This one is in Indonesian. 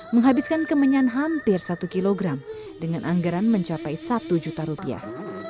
menghabiskan kemenyan hampir satu kilogram dengan anggaran mencapai satu juta rupiah